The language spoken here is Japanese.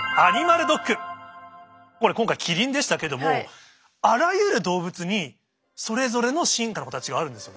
これ今回キリンでしたけどもあらゆる動物にそれぞれの進化の形があるんですよね。